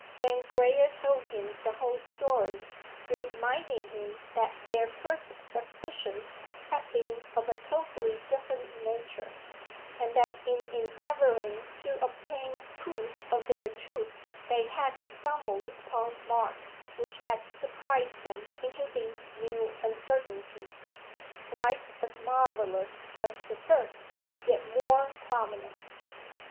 Then Graye told him the whole story, reminding him that their first suspicions had been of a totally different nature, and that in endeavouring to obtain proof of their truth they had stumbled upon marks which had surprised them into these new uncertainties, thrice as marvellous as the first, yet more prominent.